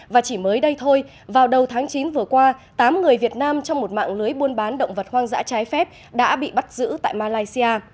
và chỉ mới đây thôi vào đầu tháng chín vừa qua tám người việt nam trong một mạng lưới buôn bán động vật hoang dã trái phép đã bị bắt giữ tại malaysia